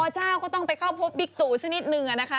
เจ้าก็ต้องไปเข้าพบบิ๊กตู่สักนิดนึงนะคะ